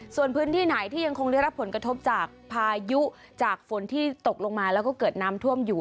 ส่วนพื้นที่ไหนที่ยังคงได้รับผลกระทบจากพายุจากฝนที่ตกลงมาแล้วก็เกิดน้ำท่วมอยู่